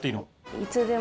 いつでも！？